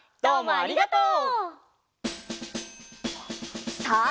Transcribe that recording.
ありがとう。